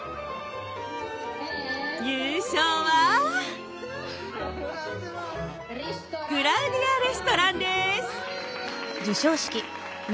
優勝はクラウディアレストランです！